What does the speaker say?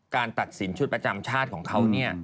การตัดสินชุดประจำชาติของเขาเนี่ย